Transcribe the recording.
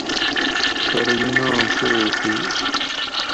پرویناں پو ہُو